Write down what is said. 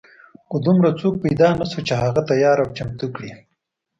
خو دومره څوک پیدا نه شو چې هغه تیار او چمتو کړي.